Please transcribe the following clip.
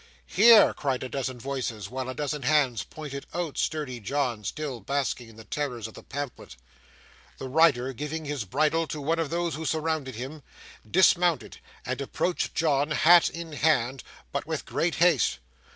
'Here!' cried a dozen voices, while a dozen hands pointed out sturdy John, still basking in the terrors of the pamphlet. The rider, giving his bridle to one of those who surrounded him, dismounted, and approached John, hat in hand, but with great haste.